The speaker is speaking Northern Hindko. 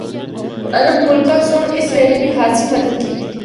عرب ملکاں سنڑ اس ویلے بھی خاصی مدد کیتی۔